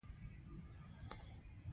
مجاهد خپل نیت خالص ساتي.